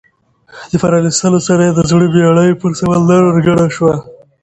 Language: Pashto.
د پرانیستلو سره یې د زړه بېړۍ پر سمندر ورګډه شوه.